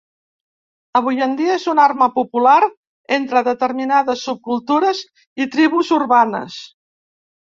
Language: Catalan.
Avui en dia és una arma popular entre determinades subcultures i tribus urbanes.